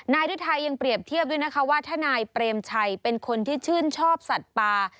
ฤทัยยังเปรียบเทียบด้วยนะคะว่าถ้านายเปรมชัยเป็นคนที่ชื่นชอบสัตว์ป่า